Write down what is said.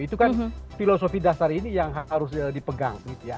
itu kan filosofi dasar ini yang harus dipegang